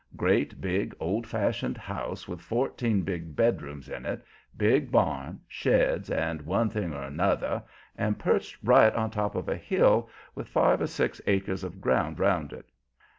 Great, big, old fashioned house with fourteen big bedrooms in it, big barn, sheds, and one thing or 'nother, and perched right on top of a hill with five or six acres of ground 'round it.